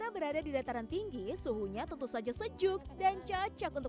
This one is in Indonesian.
berada di dataran tinggi suhunya tentu saja sejuk dan cocok untuk